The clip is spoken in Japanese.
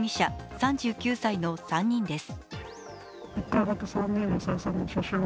３９歳の３人です。